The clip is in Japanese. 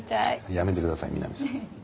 やめてくださいみなみさん。